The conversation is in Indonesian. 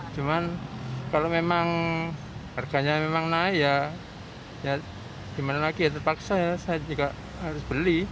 cuman kalau memang harganya memang naik ya gimana lagi ya terpaksa ya saya juga harus beli